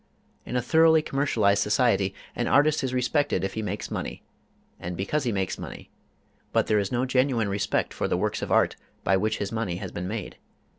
In a thoroughly commercialized society, an artist is respected if he makes money, and because he makes money, but there is no genuine respect for the works of art by which his money has been made.